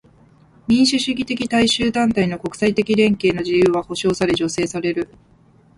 民主主義的大衆団体の国際的連携の自由は保障され助成される。